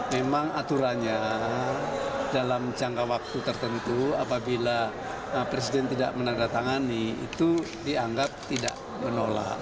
memang aturannya dalam jangka waktu tertentu apabila presiden tidak menandatangani itu dianggap tidak menolak